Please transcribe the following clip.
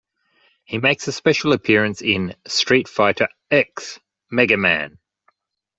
He makes a special appearance in "Street Fighter X Mega Man".